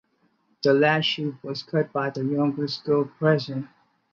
The last sheaf was cut by the youngest girl present.